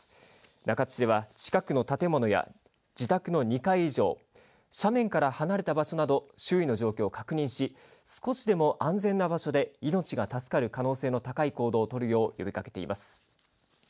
中津市では近くの建物や自宅の２階以上、斜面から離れた場所など周囲の状況を確認し少しでも安全な場所で命が助かる可能性の高い行動を取るよう呼びかけています。